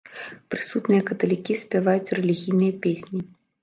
Прысутныя каталікі спяваюць рэлігійныя песні.